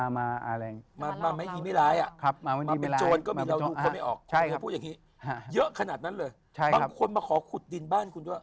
เหรอขนาดนั้นเลย